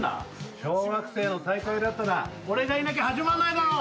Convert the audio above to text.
小学生の大会だったら俺がいなきゃ始まんないだろ！